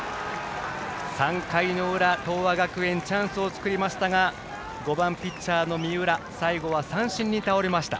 ３回の裏、東亜学園チャンスを作りましたが５番ピッチャーの三浦最後は三振に倒れました。